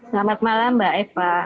selamat malam mbak eva